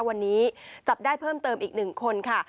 วันนี้จับได้เพิ่มเติมอีก๑คนค่ะ